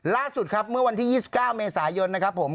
ล่าสุดครับเมื่อวันที่๒๙เมษายนนะครับผม